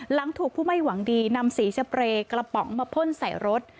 หลังถูกผู้ไม่หวังดีนำสีสเปรย์กระป๋องมาพ่นใส่รถ